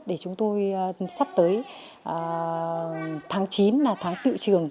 để chúng tôi sắp tới tháng chín là tháng tự trường